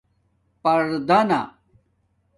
پردانہ